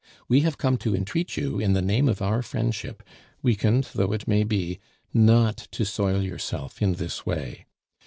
We have come to entreat you in the name of our friendship, weakened though it may be, not to soil yourself in this way.